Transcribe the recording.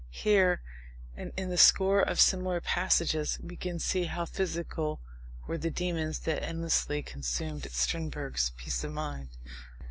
Here, and in a score of similar passages, we can see how physical were the demons that endlessly consumed Strindberg's peace of mind.